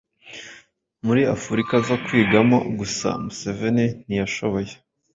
muri Afurika zo kwigamo gusa Museveni ntiyashoboye